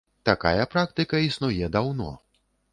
Такая практыка існуе даўно.